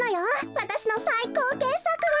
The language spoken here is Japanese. わたしのさいこうけっさくが。